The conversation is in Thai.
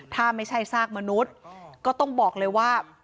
ถ้าไม่ใช่ซากมนุษย์ก็ต้องบอกเลยว่า